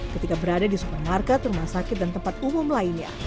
ketika berada di supermarket rumah sakit dan tempat umum lainnya